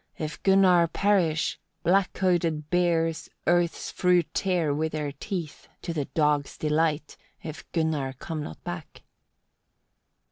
if Gunnar perish; black coated bears earth's fruit tear with their teeth, to the dogs' delight, if Gunnar come not back."